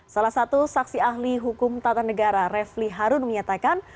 salah satu saksi ahli hukum tata negara refli harun menyatakan